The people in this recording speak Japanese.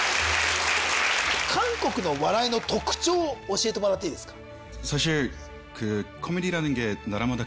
韓国の笑いの特徴を教えてもらっていいですか？